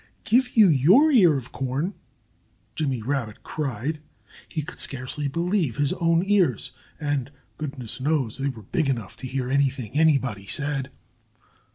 "Give you your ear of corn?" Jimmy Rabbit cried. He could scarcely believe his own ears and goodness knows they were big enough to hear anything anybody said.